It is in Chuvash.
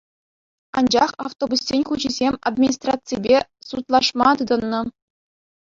Анчах автобуссен хуҫисем администраципе судлашма тытӑннӑ.